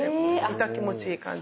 イタ気持ちいい感じで。